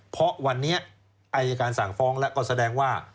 เพราะวันนี้อายการสั่งฟ้องแล้วก็แสดงว่า